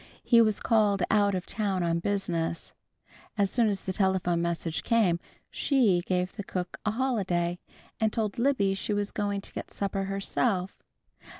He was called out of town on business. As soon as the telephone message came, She gave the cook a holiday, and told Libby she was going to get supper herself.